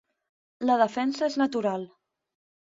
La defensa és natural.